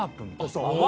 そう。